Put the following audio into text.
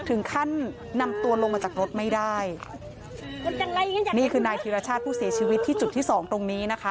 ถึงขั้นนำตัวลงมาจากรถไม่ได้ยังไงนี่คือนายธิรชาติผู้เสียชีวิตที่จุดที่สองตรงนี้นะคะ